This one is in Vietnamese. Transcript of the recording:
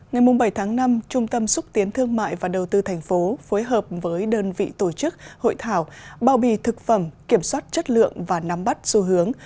ngày bảy tháng năm trung tâm xúc tiến thương mại và đầu tư thành phố phối hợp với đơn vị tổ chức hội thảo bao bì thực phẩm kiểm soát chất lượng và nắm bắt xu hướng